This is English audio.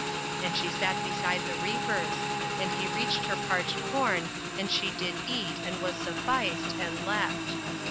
And she sat beside the reapers: and he reached her parched corn, and she did eat, and was sufficed, and left.